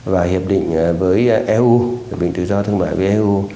và hiệp định với eu hiệp định tự do thương mại với eu